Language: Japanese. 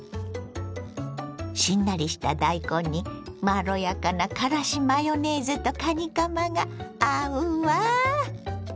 しんなりした大根にまろやかなからしマヨネーズとかにかまが合うわ。